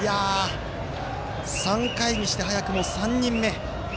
３回にして早くも３人目。